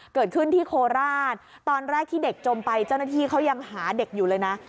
เกิดขึ้นที่โคราชตอนแรกที่เด็กจมไปเจ้าหน้าที่เขายังหาเด็กอยู่เลยนะ